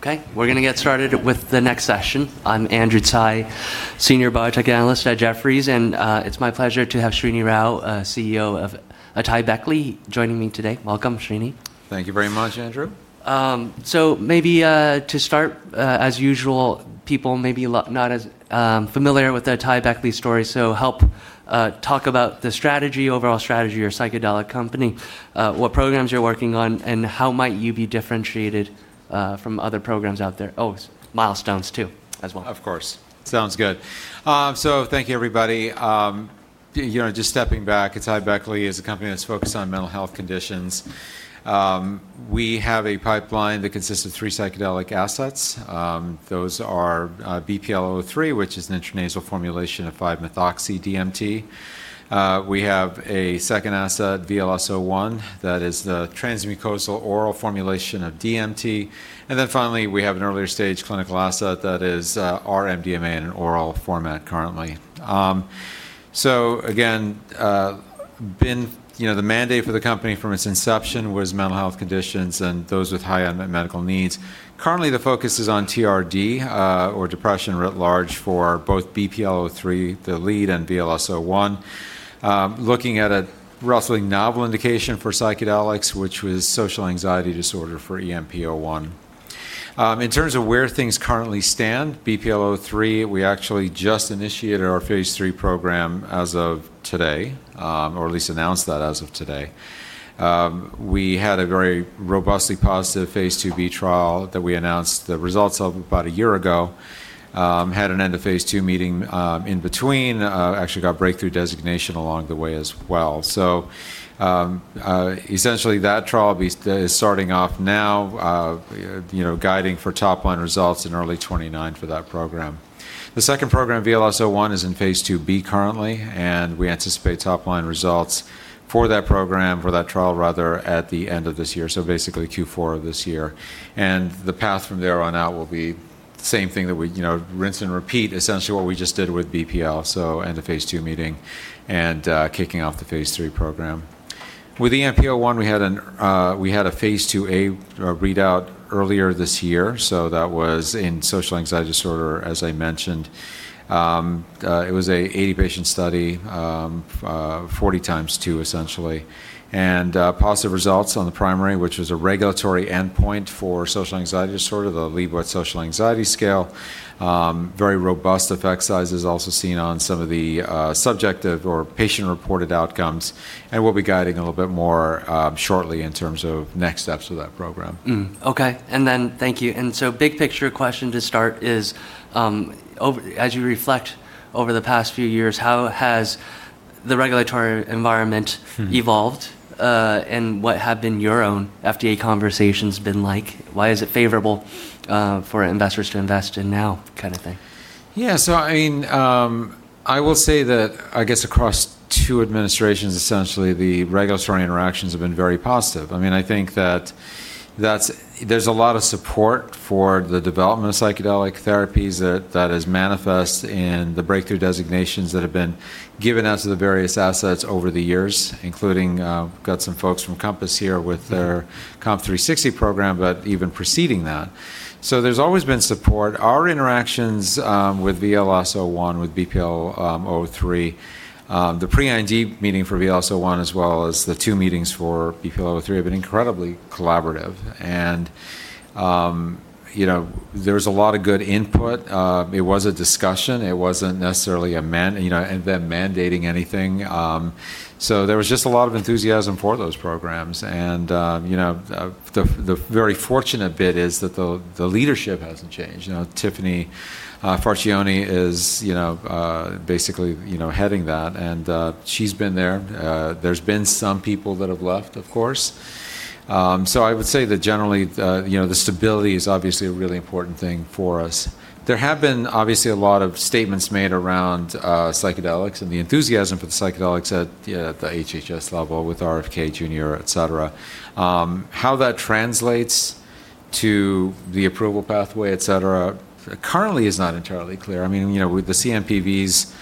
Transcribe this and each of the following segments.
Okay, we're going to get started with the next session. I'm Andrew Tsai, senior biotech analyst at Jefferies, and it's my pleasure to have Srinivas Rao, CEO of AtaiBeckley, joining me today. Welcome, Srini. Thank you very much, Andrew. Maybe to start, as usual, people may be not as familiar with the AtaiBeckley story, so help talk about the strategy, overall strategy of your psychedelic company, what programs you're working on, and how might you be differentiated from other programs out there. Milestones too, as well. Of course. Sounds good. Thank you everybody. Just stepping back, AtaiBeckley is a company that's focused on mental health conditions. We have a pipeline that consists of three psychedelic assets. Those are BPL-003, which is an intranasal formulation of 5-methoxy-DMT. We have a second asset, VLS-01, that is the transmucosal oral formulation of DMT. Finally, we have an earlier stage clinical asset that is our MDMA in an oral format currently. Again, the mandate for the company from its inception was mental health conditions and those with high unmet medical needs. Currently, the focus is on TRD, or depression writ large for both BPL-003, the lead, and VLS-01. Looking at a relatively novel indication for psychedelics, which was social anxiety disorder for EMP-01. In terms of where things currently stand, BPL-003, we actually just initiated our phase III program as of today or at least announced that as of today. We had a very robustly positive phase IIb trial that we announced the results of about a year ago. We had an end of phase II meeting in between. We actually got Breakthrough Therapy designation along the way as well. Essentially that trial is starting off now, guiding for top-line results in early 2029 for that program. The second program, VLS-01, is in phase IIb currently, and we anticipate top-line results for that program, for that trial rather, at the end of this year, basically Q4 of this year. The path from there on out will be the same thing that we, rinse and repeat, essentially what we just did with BPL, the phase II meeting and kicking off the phase III program. With EMP-01, we had a phase IIa readout earlier this year, that was in social anxiety disorder, as I mentioned. It was an 80-patient study, 40 times two essentially. Positive results on the primary, which is a regulatory endpoint for social anxiety disorder, the Liebowitz Social Anxiety Scale. Very robust effect sizes also seen on some of the subjective or patient-reported outcomes, and we'll be guiding a little bit more shortly in terms of next steps for that program. Okay. Thank you. Big picture question to start is, as you reflect over the past few years, how has the regulatory environment evolved? What have been your own FDA conversations been like? Why is it favorable for investors to invest in now kind of thing? Yeah. I will say that I guess across two administrations, essentially, the regulatory interactions have been very positive. I think that there's a lot of support for the development of psychedelic therapies that has manifest in the breakthrough designations that have been given out to the various assets over the years, including got some folks from COMPASS here with their COMP360 program, but even preceding that. There's always been support. Our interactions with VLS-01, with BPL-003, the pre-IND meeting for VLS-01, as well as the two meetings for BPL-003 have been incredibly collaborative. There was a lot of good input. It wasn't necessarily them mandating anything. There was just a lot of enthusiasm for those programs. The very fortunate bit is that the leadership hasn't changed. Tiffany Farchione is basically heading that, and she's been there. There's been some people that have left, of course. I would say that generally the stability is obviously a really important thing for us. There have been obviously a lot of statements made around psychedelics and the enthusiasm for the psychedelics at the HHS level with R.F.K. Jr., et cetera. How that translates to the approval pathway, et cetera, currently is not entirely clear. I mean with the CNPVs,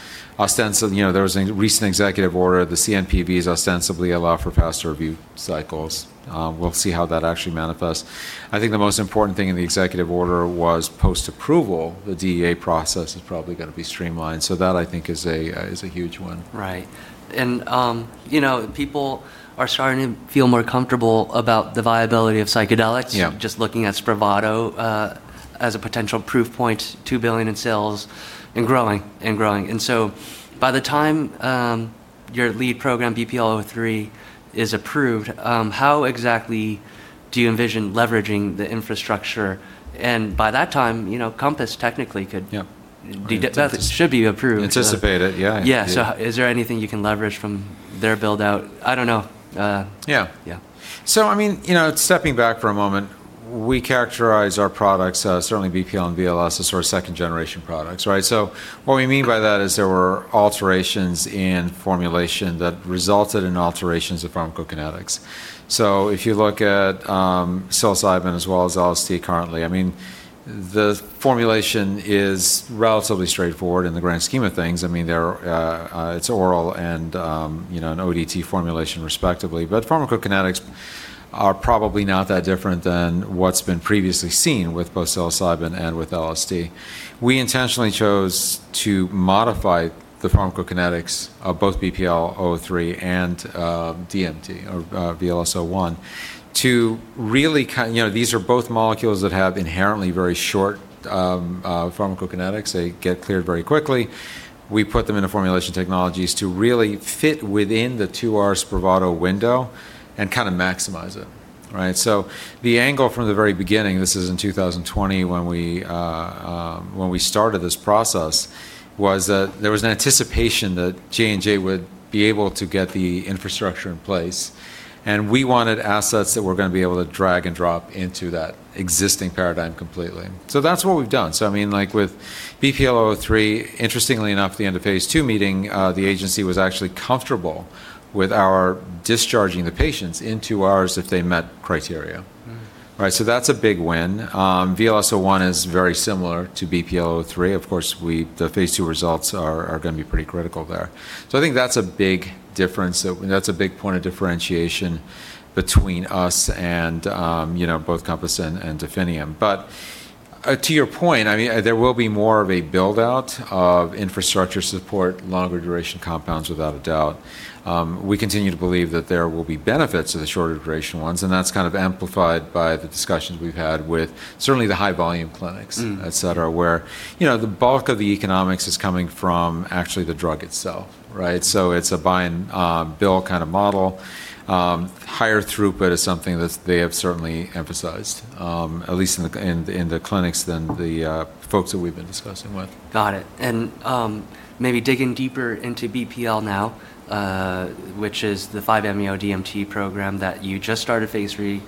there was a recent executive order. The CNPVs ostensibly allow for faster review cycles. We'll see how that actually manifests. I think the most important thing in the executive order was post-approval. The DEA process is probably going to be streamlined, so that I think is a huge one. Right. People are starting to feel more comfortable about the viability of psychedelics. Just looking at SPRAVATO as a potential proof point, $2 billion in sales and growing. By the time your lead program, BPL-003, is approved, how exactly do you envision leveraging the infrastructure? By that time, COMPASS technically should be approved. Anticipate it, yeah. Yeah. Is there anything you can leverage from their build-out? I don't know. Stepping back for a moment, we characterize our products, certainly BPL and VLS, as sort of second-generation products, right? What we mean by that is there were alterations in formulation that resulted in alterations of pharmacokinetics. If you look at psilocybin as well as LSD currently, the formulation is relatively straightforward in the grand scheme of things. It's oral and an ODT formulation respectively. The pharmacokinetics are probably not that different than what's been previously seen with both psilocybin and with LSD. We intentionally chose to modify the pharmacokinetics of both BPL-003 and DMT, or VLS-01. These are both molecules that have inherently very short pharmacokinetics. They get cleared very quickly. We put them into formulation technologies to really fit within the two-hour SPRAVATO window and kind of maximize it. Right. The angle from the very beginning, this is in 2020 when we started this process, was that there was an anticipation that J&J would be able to get the infrastructure in place, and we wanted assets that we're going to be able to drag and drop into that existing paradigm completely. That's what we've done. With BPL-003, interestingly enough, the end of phase II meeting, the agency was actually comfortable with our discharging the patients in two hours if they met criteria. Right. That's a big win. VLS-01 is very similar to BPL-003. Of course, the phase II results are going to be pretty critical there. I think that's a big point of differentiation between us and both COMPASS and Delix. To your point, there will be more of a build-out of infrastructure support, longer duration compounds, without a doubt. We continue to believe that there will be benefits of the shorter duration ones, and that's kind of amplified by the discussions we've had with certainly the high-volume clinics et cetera, where the bulk of the economics is coming from actually the drug itself. Right? It's a buy and bill kind of model. Higher throughput is something that they have certainly emphasized, at least in the clinics than the folks that we've been discussing with. Got it. Maybe digging deeper into BPL now, which is the 5-MeO-DMT program that you just started phase III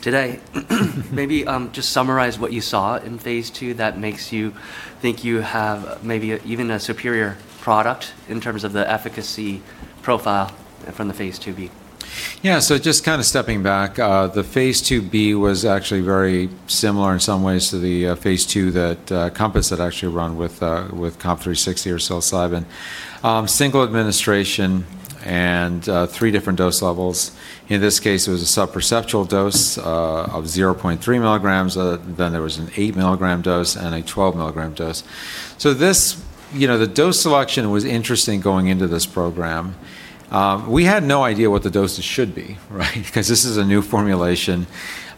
today. Maybe just summarize what you saw in phase II that makes you think you have maybe even a superior product in terms of the efficacy profile from the phase II-B. Just kind of stepping back, the phase II-B was actually very similar in some ways to the phase II that COMPASS had actually run with COMP360 or psilocybin. Single administration and three different dose levels. In this case, it was a sub-perceptual dose of 0.3 mg, then there was an 8 mg dose, and a 12 mg dose. The dose selection was interesting going into this program. We had no idea what the doses should be, right? Because this is a new formulation.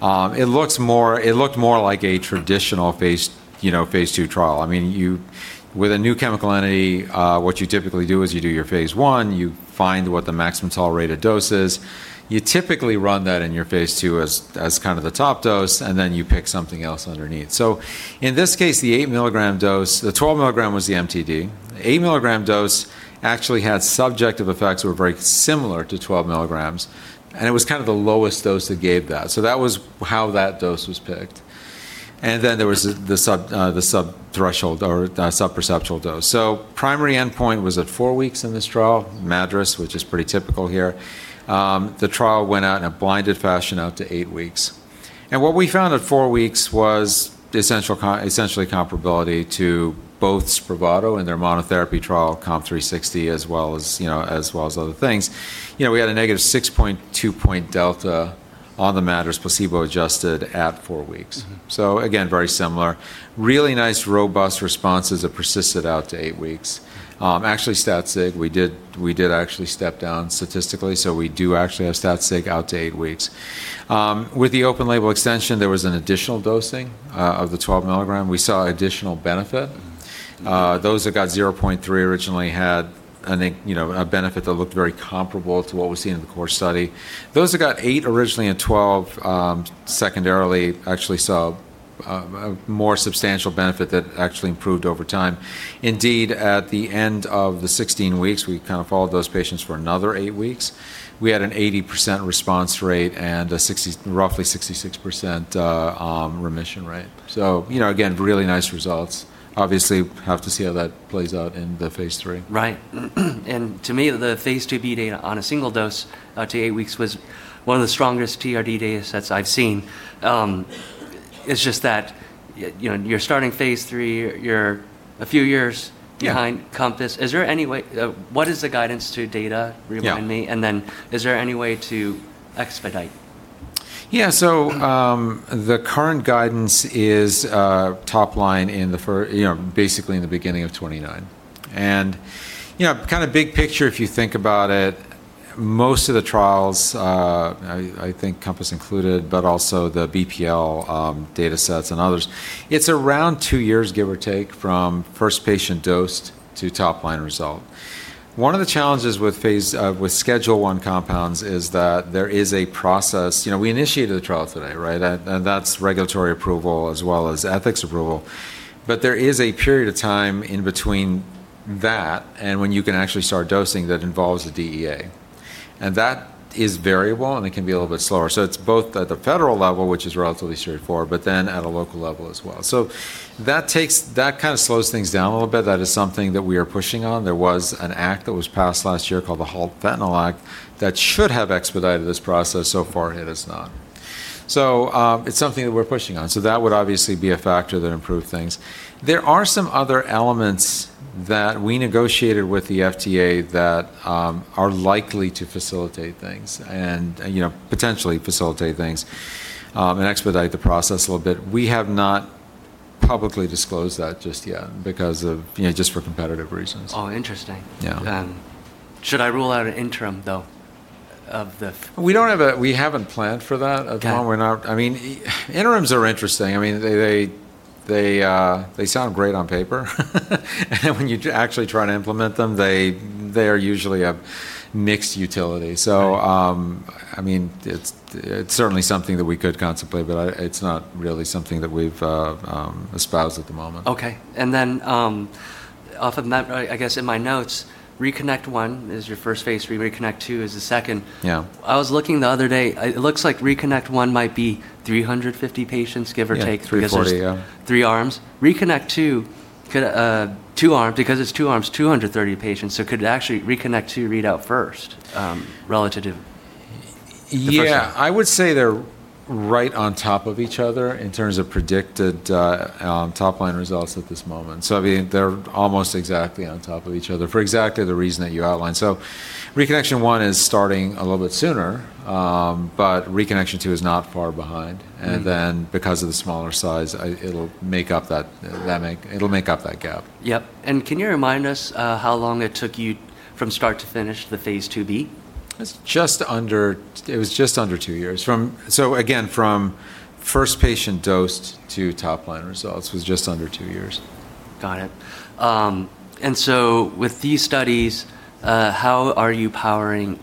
It looked more like a traditional phase II trial. With a new chemical entity, what you typically do is you do your phase I, you find what the maximum tolerated dose is. You typically run that in your phase II as kind of the top dose, and then you pick something else underneath. In this case, the 12 mg was the MTD. The eight-milligram dose actually had subjective effects that were very similar to 12 mg. It was kind of the lowest dose that gave that. That was how that dose was picked. Then there was the sub-threshold or sub-perceptual dose. Primary endpoint was at four weeks in this trial, MADRS, which is pretty typical here. The trial went out in a blinded fashion out to eight weeks. What we found at four weeks was essentially comparability to both SPRAVATO in their monotherapy trial, COMP360, as well as other things. We had a -6.2-point delta on the MADRS placebo-adjusted at four weeks. Again, very similar. Really nice, robust responses that persisted out to eight weeks. Actually, stat sig, we did actually step down statistically, we do actually have stat sig out to eight weeks. With the open label extension, there was an additional dosing of the 12 milligrams. We saw additional benefit. Those that got 0.3 originally had a benefit that looked very comparable to what we see in the core study. Those that got eight originally, and 12 secondarily, actually saw a more substantial benefit that actually improved over time. At the end of the 16 weeks, we kind of followed those patients for another eight weeks. We had an 80% response rate and roughly 66% remission rate. Again, really nice results. Obviously, have to see how that plays out in the phase III. Right. To me, the phase II-B data on a single dose out to eight weeks was one of the strongest TRD data sets I've seen. It's just that you're starting phase III, you're a few years behind COMPASS. What is the guidance to data? Remind me, and then is there any way to expedite? Yeah. The current guidance is top line basically in the beginning of 2029. Big picture, if you think about it, most of the trials, I think COMPASS included, but also the BPL data sets and others, it's around two years, give or take, from first patient dosed to top-line result. One of the challenges with Schedule I compounds is that there is a process. We initiated the trial today, right? That's regulatory approval as well as ethics approval. There is a period of time in between that and when you can actually start dosing that involves the DEA. That is variable, and it can be a little bit slower. It's both at the federal level, which is relatively straightforward, but then at a local level as well. That kind of slows things down a little bit. That is something that we are pushing on. There was an act that was passed last year called the HALT Fentanyl Act that should have expedited this process. So far, it has not. It's something that we're pushing on. That would obviously be a factor that improved things. There are some other elements that we negotiated with the FDA that are likely to facilitate things and potentially expedite the process a little bit. We have not publicly disclosed that just yet because of competitive reasons. Oh, interesting. Should I rule out an interim, though, of the. We haven't planned for that at the moment. Interims are interesting. They sound great on paper and when you actually try to implement them, they are usually of mixed utility. It's certainly something that we could contemplate, but it's not really something that we've espoused at the moment. Okay. Off of that, I guess in my notes, RECONNECT is your phase I, RECONNECT-2 is the phase II. I was looking for the other day, it looks like RECONNECT might be 350 patients, give or take. Yeah, 340, yeah. There are three arms. RECONNECT-2, it's two arms, 230 patients. Could actually RECONNECT-2 read out first, relative to the first one? Yeah. I would say they're right on top of each other in terms of predicted top-line results at this moment. They're almost exactly on top of each other for exactly the reason that you outlined. RECONNECT 1 is starting a little bit sooner but RECONNECT-2 is not far behind. Because of the smaller size, it'll make up that gap. Yep. Can you remind us how long it took you from start to finish the phase IIb? It was just under two years. Again, from first patient dosed to top-line results was just under two years. Got it. With these studies, how are you powering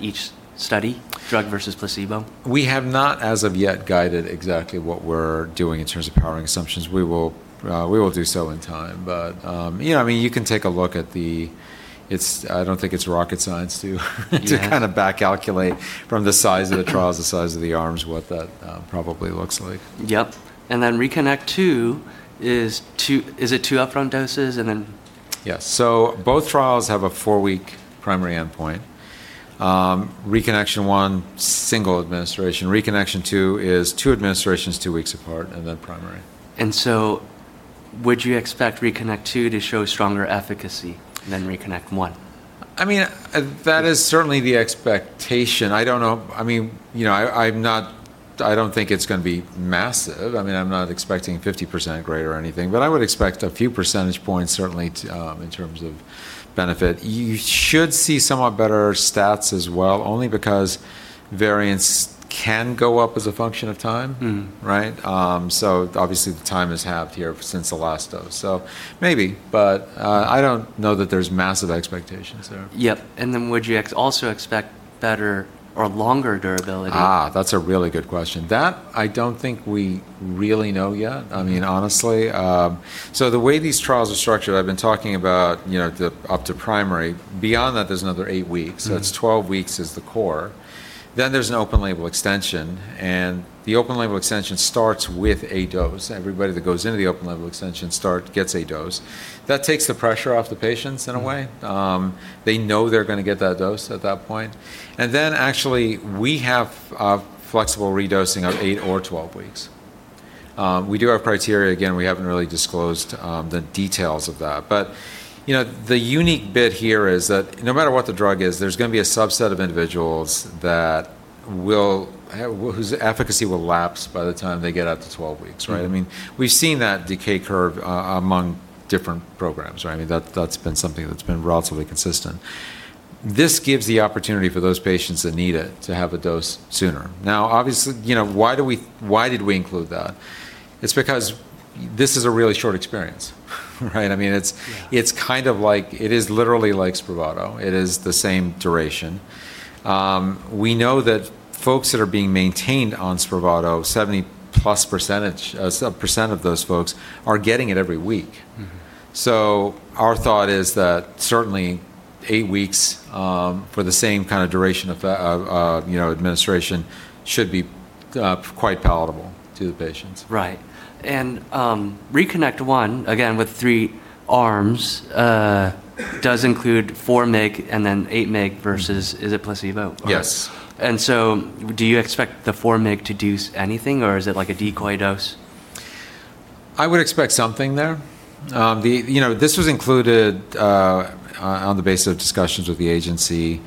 each study, drug versus placebo? We have not as of yet guided exactly what we're doing in terms of powering assumptions. We will do so in time. You can take a look at the I don't think it's rocket science to kind of back calculate from the size of the trials, the size of the arms, what that probably looks like. Yep. RECONNECT-2, is it two upfront doses? Yeah. Both trials have a four-week primary endpoint. RECONNECT, single administration. RECONNECT-2 is two administrations, two weeks apart, then primary. Would you expect RECONNECT-2 to show stronger efficacy than RECONNECT? That is certainly the expectation. I don't think it's going to be massive. I'm not expecting 50% greater or anything, but I would expect a few percentage points certainly, in terms of benefit. You should see somewhat better stats as well, only because variance can go up as a function of time. Right? Obviously the time is halved here since the last dose. Maybe, but I don't know that there's massive expectations there. Yep, then would you also expect better or longer durability? That's a really good question. That I don't think we really know yet, honestly. The way these trials are structured, I've been talking about up to primary. Beyond that, there's another eight weeks. It's 12 weeks is the core. There's an open label extension, and the open label extension starts with a dose. Everybody that goes into the open label extension gets a dose. That takes the pressure off the patients in a way. They know they're going to get that dose at that point. Actually, we have flexible redosing of eight or 12 weeks. We do have criteria, again, we haven't really disclosed the details of that. The unique bit here is that no matter what the drug is, there's going to be a subset of individuals whose efficacy will lapse by the time they get out to 12 weeks, right? We've seen that decay curve among different programs, right? That's been something that's been relatively consistent. This gives the opportunity for those patients that need it to have a dose sooner. Obviously, why did we include that? It's because this is a really short experience, right? It is literally like SPRAVATO. It is the same duration. We know that folks that are being maintained on SPRAVATO, 70% plus of those folks are getting it every week. Our thought is that certainly eight weeks for the same kind of duration of administration should be quite palatable to the patients. Right. RECONNECT, again, with three arms, does include four mg and then eight mg versus, is it placebo? Yes. Do you expect the four mg to do anything, or is it like a decoy dose? I would expect something there. This was included on the base of discussions with the agency.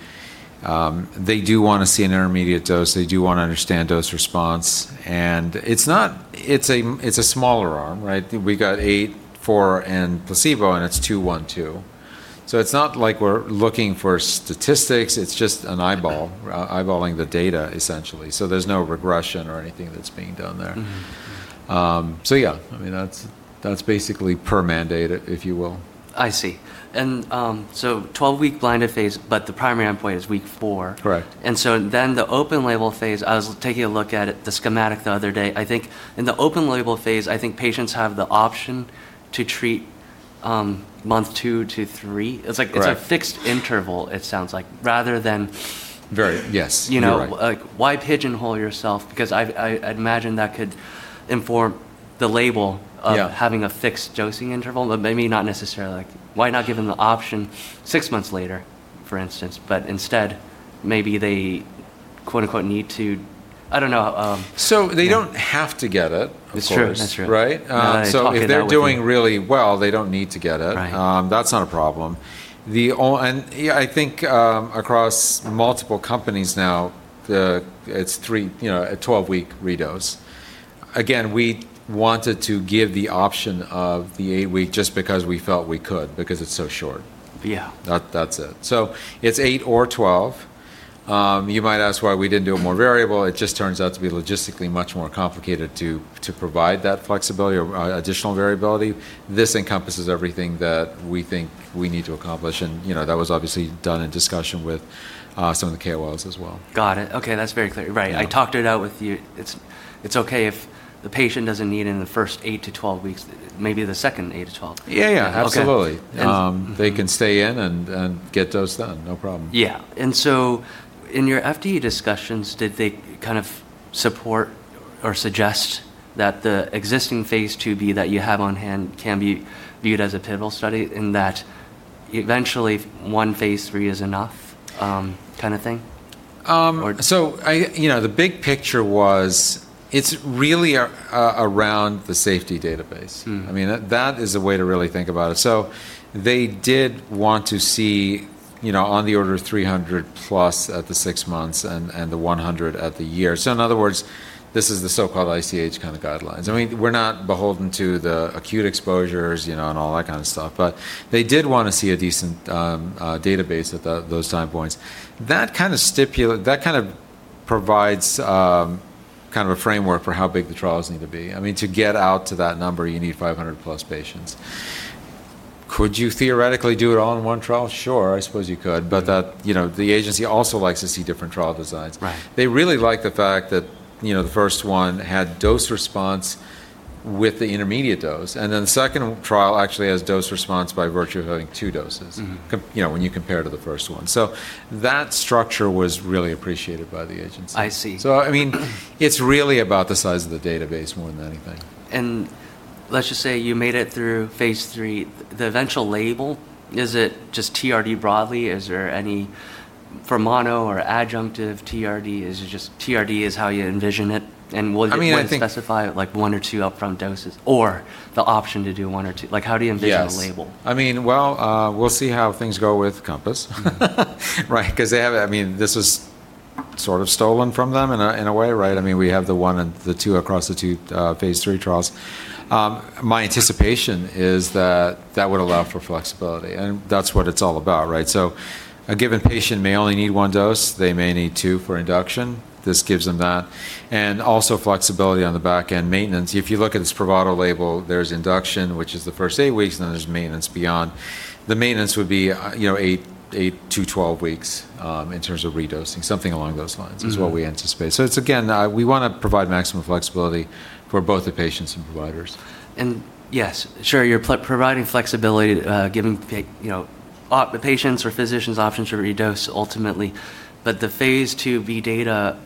They do want to see an intermediate dose. They do want to understand dose response. It's a smaller arm, right? We got eight, four, and placebo. It's two, one, two. It's not like we're looking for statistics, it's just an eyeball. Eyeballing the data, essentially. There's no regression or anything that's being done there. Yeah. That's basically per mandate, if you will. I see. 12-week blinded phase, but the primary endpoint is week four. The open label phase, I was taking a look at it, the schematic the other day. I think in the open label phase, I think patients have the option to treat month two to three. It's a fixed interval it sounds like, rather than- Very, yes. You're right. Why pigeonhole yourself? Because I'd imagine that could inform the label of having a fixed dosing interval, but maybe not necessarily. Why not give them the option six months later? For instance, instead maybe they, quote unquote, "need to." I don't know. They don't have to get it, of course. That's true. Right? No, I talked it out with you. If they're doing really well, they don't need to get it. That's not a problem. Yeah, I think across multiple companies now, it's a 12-week re-dose. Again, we wanted to give the option of the eight-week just because we felt we could, because it's so short. That's it. It's eight or 12. You might ask why we didn't do it more variable. It just turns out to be logistically much more complicated to provide that flexibility or additional variability. This encompasses everything that we think we need to accomplish, and that was obviously done in discussion with some of the KOLs as well. Got it. Okay, that's very clear. Right. I talked it out with you. It's okay if the patient doesn't need it in the first eight to 12 weeks, maybe the second 8-12 weeks. Yeah, absolutely. They can stay in and get dose done, no problem. Yeah. In your FDA discussions, did they kind of support or suggest that the existing phase IIb that you have on hand can be viewed as a pivotal study in that eventually one phase III is enough kind of thing? The big picture was it's really around the safety database. That is a way to really think about it. They did want to see on the order of 300 plus at the six months and the 100 at the year. In other words, this is the so-called ICH kind of guidelines. We're not beholden to the acute exposures, and all that kind of stuff. They did want to see a decent database at those time points. That kind of provides a framework for how big the trials need to be. To get out to that number, you need 500 plus patients. Could you theoretically do it all in one trial? Sure, I suppose you could, but the agency also likes to see different trial designs. They really like the fact that the first one had dose response with the intermediate dose, and then the second trial actually has dose response by virtue of having two doses. when you compare to the first one. That structure was really appreciated by the Agency. I see. It's really about the size of the database more than anything. Let's just say you made it through phase III, the eventual label, is it just TRD broadly? Is there any for mono or adjunctive TRD? Is it just TRD is how you envision it, specify like one or two upfront doses, or the option to do one or two? Like how do you envision the label? Well, we'll see how things go with COMPASS. Right? This was sort of stolen from them in a way, right? We have the one and the two across the two phase III trials. My anticipation is that that would allow for flexibility, and that's what it's all about, right? A given patient may only need one dose; they may need two for induction. This gives them that. FLexibility on the back-end maintenance. If you look at SPRAVATO label, there's induction, which is the first eight weeks, and then there's maintenance beyond. The maintenance would be 8-12 weeks, in terms of redosing is what we anticipate. It's again, we want to provide maximum flexibility for both the patients and providers. Yes, sure, you're providing flexibility, giving the patients or physicians option to redose ultimately, but the phase IIb data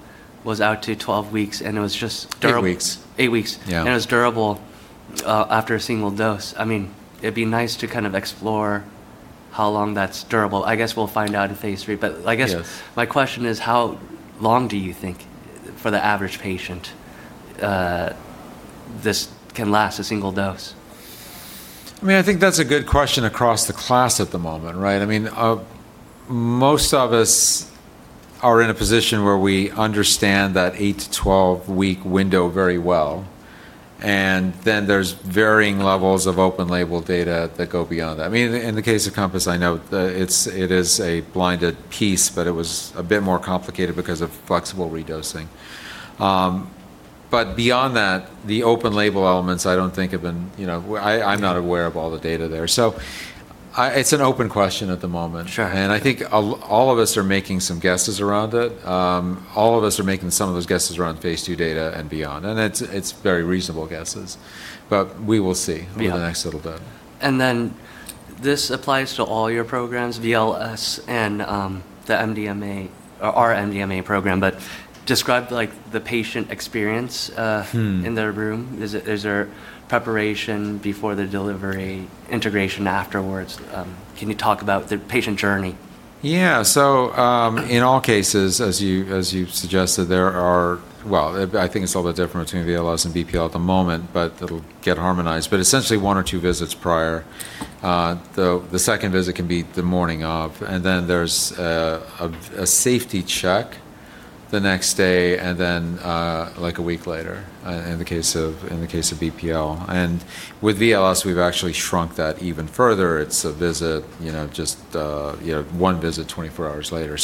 was out to 12 weeks, and it was just durable. Eight weeks. Eight weeks. It was durable after a single dose. It would be nice to kind of explore how long that is durable. I guess we will find out in phase III. My question is how long do you think for the average patient this can last a single dose? I think that's a good question across the class at the moment, right? Most of us are in a position where we understand that 8-12-week window very well, and then there's varying levels of open label data that go beyond that. In the case of COMPASS, I know it is a blinded piece, but it was a bit more complicated because of flexible redosing. Beyond that, the open label elements I'm not aware of all the data there. It's an open question at the moment. I think all of us are making some guesses around it. All of us are making some of those guesses around phase II data and beyond, and it's very reasonable guesses. We will see over the next little bit. This applies to all your programs, VLS and our MDMA program. Describe the patient experience in their room. Is there preparation before the delivery, integration afterwards? Can you talk about the patient journey? Yeah. In all cases, as you've suggested, there are Well, I think it's a little different between VLS and BPL at the moment, but it'll get harmonized. Essentially one or two visits prior. The second visit can be the morning of, and then there's a safety check the next day, and then a week later in the case of BPL. With VLS, we've actually shrunk that even further. It's a visit, just one visit 24 hours later.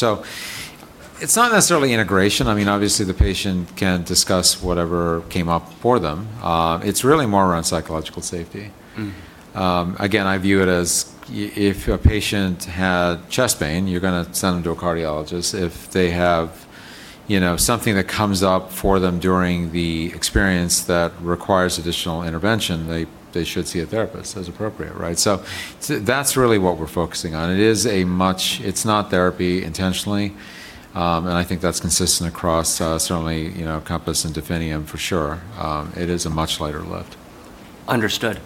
It's not necessarily integration. Obviously, the patient can discuss whatever came up for them. It's really more around psychological safety. I view it as if a patient had chest pain, you're going to send them to a cardiologist. If they have something that comes up for them during the experience that requires additional intervention, they should see a therapist as appropriate, right? That's really what we're focusing on. It's not therapy intentionally; I think that's consistent across certainly COMPASS and Delix for sure. It is a much lighter lift. Understood.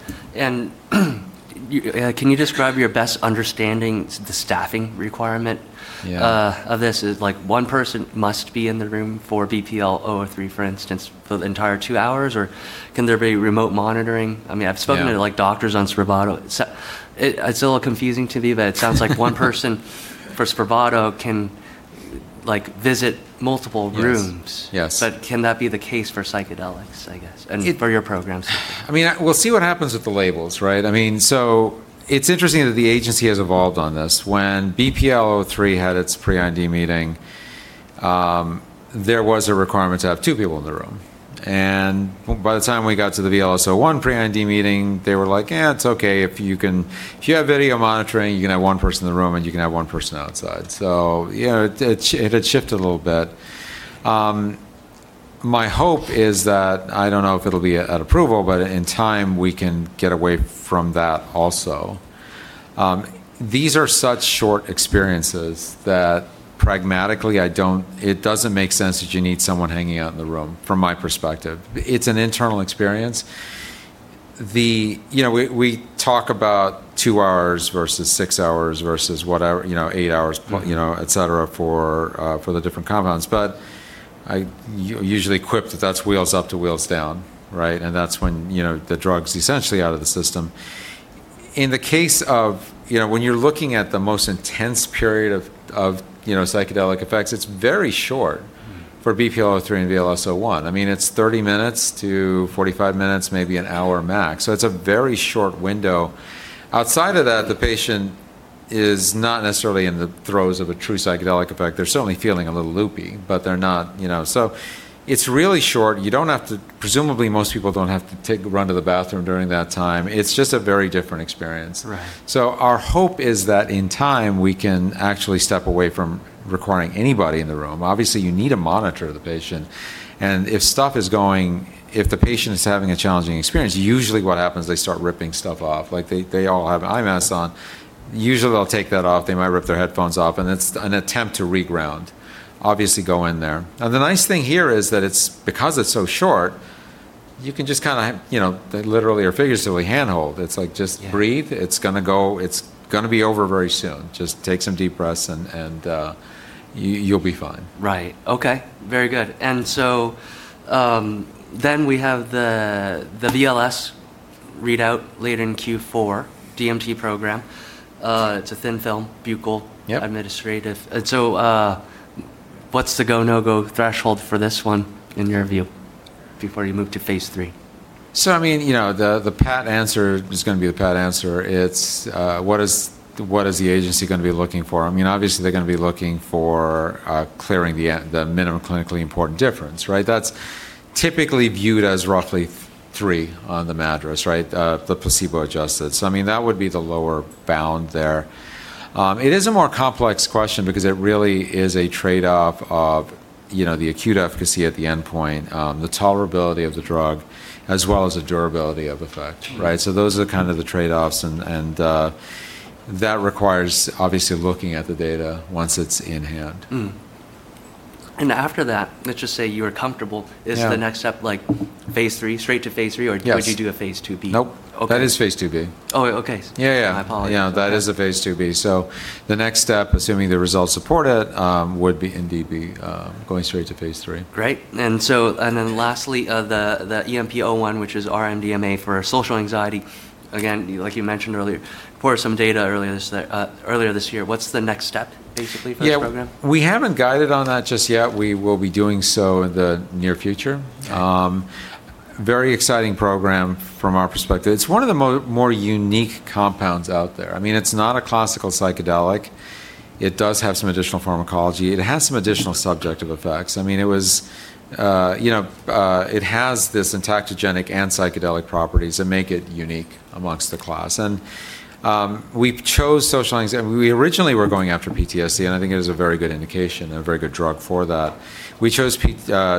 Can you describe your best understanding the staffing requirement. Of this? Is one person must be in the room for BPL-003, for instance, for the entire two hours, or can there be remote monitoring? Doctors on SPRAVATO. It's a little confusing to me, but it sounds like one person for SPRAVATO can visit multiple rooms but can that be the case for psychedelics, I guess, and for your programs? We'll see what happens with the labels, right? It's interesting that the agency has evolved on this. When BPL-003 had its pre-IND meeting, there was a requirement to have two people in the room. By the time we got to the VLS-01 pre-IND meeting, they were like, "Eh, it's okay if you have video monitoring, you can have one person in the room, and you can have one person outside." Yeah, it had shifted a little bit. My hope is that I don't know if it'll be at approval, but in time we can get away from that also. These are such short experiences that pragmatically it doesn't make sense that you need someone hanging out in the room, from my perspective. It's an internal experience. We talk about two hours versus six hours versus whatever, eight hours, et cetera, for the different compounds. I usually quip that that's wheels up to wheels down, right? That's when the drug's essentially out of the system. In the case of when you're looking at the most intense period of psychedelic effects, it's very short for BPL-003 and VLS-01. It's 30-45 minutes, maybe an hour max. It's a very short window. Outside of that, the patient is not necessarily in the throes of a true psychedelic effect. They're certainly feeling a little loopy. It's really short. Presumably, most people don't have to run to the bathroom during that time. It's just a very different experience. Our hope is that in time, we can actually step away from requiring anybody in the room. Obviously, you need to monitor the patient, and if the patient is having a challenging experience, usually what happens, they start ripping stuff off. They all have eye masks on. Usually, they'll take that off. They might rip their headphones off, and it's an attempt to reground. Obviously go in there. The nice thing here is that because it's so short, you can just literally or figuratively handhold. It's like, "Just breathe. It's going to be over very soon. Just take some deep breaths, and you'll be fine. Right. Okay. Very good. We have the VLS readout later in Q4, DMT program. It's a thin film, buccal administrative. What's the go, no go threshold for this one in your view before you move to phase III? The pat answer is going to be the pat answer. It's what is the agency going to be looking for? Obviously they're going to be looking for clearing the minimum clinically important difference, right? That's typically viewed as roughly three on the MADRS, right, the placebo adjusted. That would be the lower bound there. It is a more complex question because it really is a trade-off of the acute efficacy at the endpoint, the tolerability of the drug, as well as the durability of effect, right? Those are kind of the trade-offs, and that requires obviously looking at the data once it's in hand. After that, let's just say you're comfortable is the next step phase III, straight to phase III? Yes. Would you do a phase II-B? Nope. Okay. That is phase II-B. Oh, okay. Yeah. My apologies. Yeah. That is a phase II-B. The next step, assuming the results support it, would indeed be going straight to phase III. Great. Lastly, the EMP-01, which is R-MDMA for social anxiety. Again, like you mentioned earlier, reported some data earlier this year. What's the next step, basically, for this program? Yeah. We haven't guided on that just yet. We will be doing so in the near future. Okay. Very exciting program from our perspective. It's one of the more unique compounds out there. It's not a classical psychedelic. It does have some additional pharmacology. It has some additional subjective effects. It has this entactogenic and psychedelic properties that make it unique amongst the class. We originally were going after PTSD, and I think it was a very good indication and a very good drug for that. We chose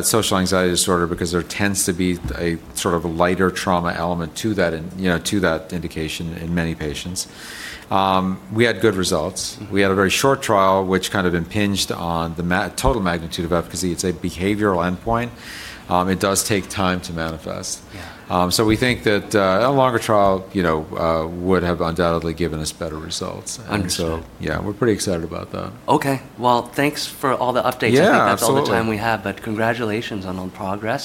social anxiety disorder because there tends to be a sort of lighter trauma element to that indication in many patients. We had good results. We had a very short trial, which kind of impinged on the total magnitude of efficacy. It's a behavioral endpoint. It does take time to manifest. We think that a longer trial would have undoubtedly given us better results. Understood. Yeah, we're pretty excited about that. Okay. Well, thanks for all the updates. Yeah, absolutely. I think that's all the time we have, but congratulations on the progress.